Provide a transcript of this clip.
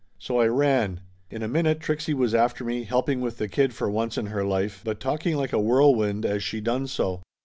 So I ran. In a minute Trixie was after me, helping with the kid for once in her life, but talking like a whirlwind as she done so.